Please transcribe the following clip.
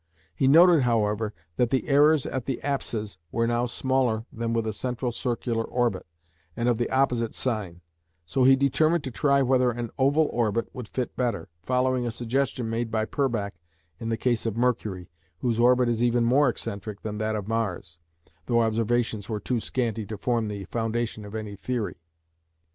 He noted, however, that the errors at the apses were now smaller than with a central circular orbit, and of the opposite sign, so he determined to try whether an oval orbit would fit better, following a suggestion made by Purbach in the case of Mercury, whose orbit is even more eccentric than that of Mars, though observations were too scanty to form the foundation of any theory.